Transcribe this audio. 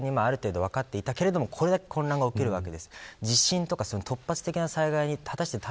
今回台風で事前にある程度分かっていたけどこれだけ混乱が起きるわけです。